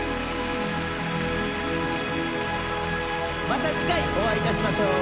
また次回お会いいたしましょう。